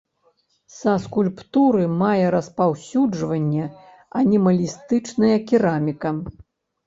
Са скульптуры мае распаўсюджванне анімалістычная кераміка.